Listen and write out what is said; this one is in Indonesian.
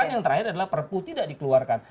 dan yang terakhir adalah perpu tidak dikeluarkan